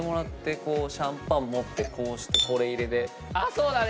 そうだね！